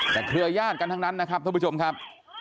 แต่เครือญาติกันทั้งนั้นนะครับท่านผู้ชมครับ